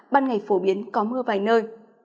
ban ngày phổ biến có mưa vài nơi